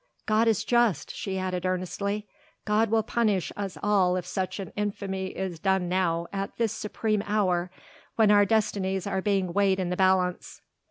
God is just," she added earnestly, "God will punish us all if such an infamy is done now at this supreme hour when our destinies are being weighed in the balance."